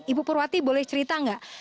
ibu purwati boleh cerita nggak